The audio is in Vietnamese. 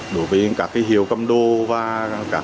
đối với các hiệu cầm đồ và các